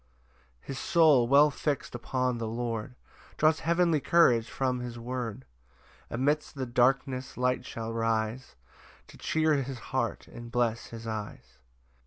4 His soul, well fix'd upon the Lord, Draws heavenly courage from his word; Amidst the darkness light shall rise, To cheer his heart, and bless his eyes.